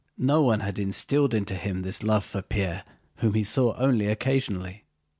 No one had instilled into him this love for Pierre whom he saw only occasionally.